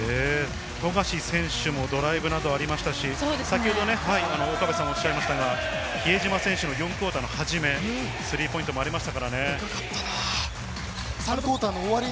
富樫選手もドライブなどありましたし、岡部さんもおっしゃったように、比江島選手の４クオーターの始め、スリーポイントもありました。